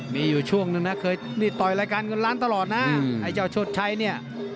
มีอยู่ช่วงนึงนะต่อยรายการกันร้านตลอดนะไอ้เจ้าโชชัยเนี่ย